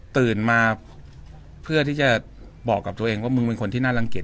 ตื่นมาเพื่อที่จะบอกกับตัวเองว่ามึงเป็นคนที่น่ารังเกียจ